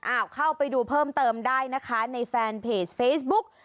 เข้าไปดูเพิ่มเติมได้นะคะในแฟนเพจเฟซบุ๊ก